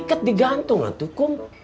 diikat digantung antu kum